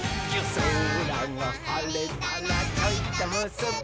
「そらがはれたらちょいとむすび」